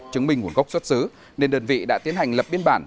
chứng minh nguồn gốc xuất xứ nên đơn vị đã tiến hành lập biên bản